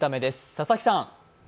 佐々木さん。